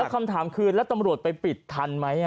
คำถามคือแล้วตำรวจไปปิดทันไหม